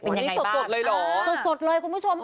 มาหาลุงลงถึงที่แบบนี้ลุง